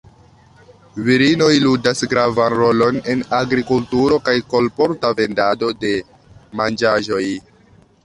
Virinoj ludas gravan rolon en agrikulturo kaj kolporta vendado de manĝaĵoj.